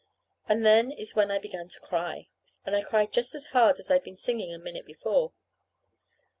And then is when I began to cry. And I cried just as hard as I'd been singing a minute before.